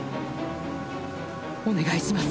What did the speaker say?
お願いします！